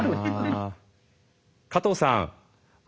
加藤さん